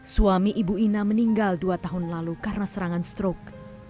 suami ibu ina meninggal dua tahun lalu karena serangan strok